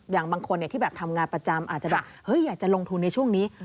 อย่างบางคนที่ทำงานประจำอาจจะลงทุนในช่วงนี้